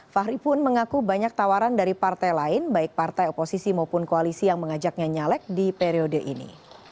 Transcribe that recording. fahri pun mengaku banyak tawaran dari partai lain baik partai oposisi maupun koalisi yang mengajaknya nyalek di periode ini